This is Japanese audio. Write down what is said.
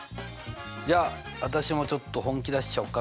じゃあ私もちょっと本気出しちゃおうかな。